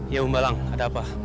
ya gumbalang ada apa